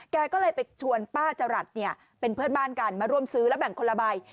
แกก็เลยไปชวนป้าจรัสเนี่ยเป็นเพื่อนบ้านกันมาร่วมซื้อแล้วแบ่งคนละใบ